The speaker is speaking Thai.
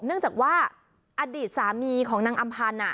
เนื่องจากว่าอดีตสามีของนางอำพันธ์